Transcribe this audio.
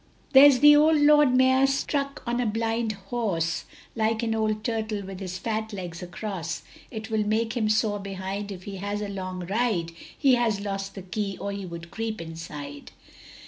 There's the old Lord Mayor stuck on a blind horse Like an old turtle, with his fat legs across; It will make him sore behind if he has a long ride, He has lost the key, or he would creep inside.